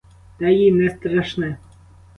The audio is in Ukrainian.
Те їй не страшне.